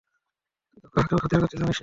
তুই তো কাহাকেও খাতির করিতে জানিস না।